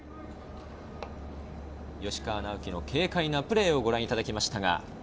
吉川尚輝の軽快なプレーをご覧いただきました。